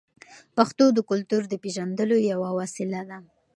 پښتو د کلتور د پیژندلو یوه وسیله ده.